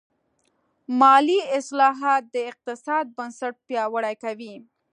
مالي اصلاحات د اقتصاد بنسټ پیاوړی کوي.